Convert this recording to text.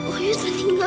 oyu sudah meninggal